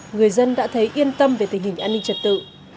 người dân đã thấy yên tâm về tình hình an ninh trật tự